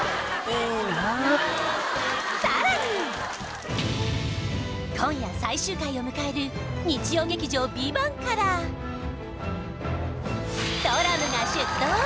さらに今夜最終回を迎える日曜劇場「ＶＩＶＡＮＴ」からドラムが出動